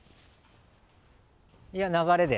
いや、流れで。